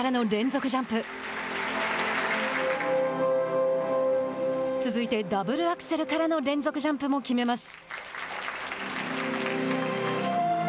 続いてダブルアクセルからの連続ジャンプも決めます。